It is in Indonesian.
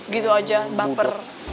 gitu aja baper